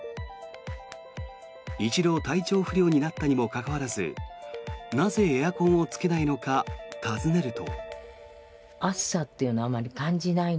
一度、体調不良になったにもかかわらずなぜエアコンをつけないのか尋ねると。